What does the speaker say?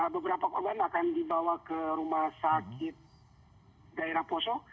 beberapa korban akan dibawa ke rumah sakit daerah poso